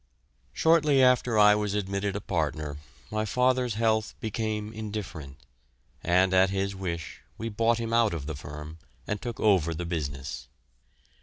Shortly after I was admitted a partner my father's health became indifferent, and at his wish we bought him out of the firm and took over the business.